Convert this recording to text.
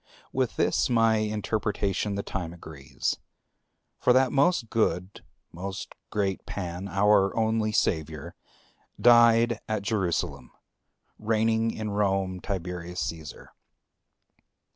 With this my interpretation the time agrees. For that most good, most great Pan, our only Savior, died at Jerusalem, reigning in Rome Tiberius Caesar.